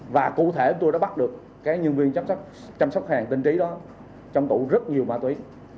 và cụ thể tôi đã bắt được các nhân viên chăm sóc hàng tinh trí đó trong tủ rất nhiều ma túy